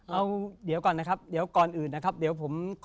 เอาเดี๋ยวก่อนนะครับเดี๋ยวก่อนอื่นนะครับเดี๋ยวผม